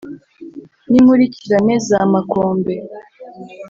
N'inkurikirane za Makombe